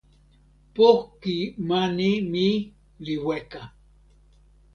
poki mani mi li weka.